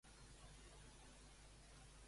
Què començarà si Sánchez esdevé cap de govern?